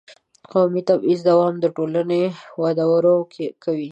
د قومي تبعیض دوام د ټولنې وده ورو کوي.